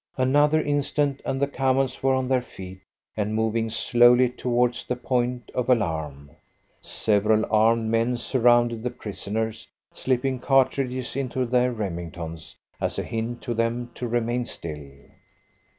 Another instant, and the camels were on their feet and moving slowly towards the point of alarm. Several armed men surrounded the prisoners, slipping cartridges into their Remingtons as a hint to them to remain still.